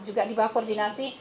juga di bawah koordinasi